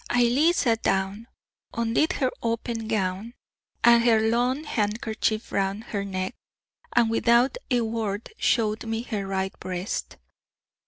Ailie sat down, undid her open gown and her lawn handkerchief round her neck, and, without a word, showed me her right breast.